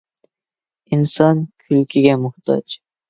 ئىنسان كۈلكىگە موھتاج.